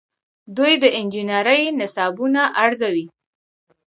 دوی د انجنیری نصابونه ارزوي.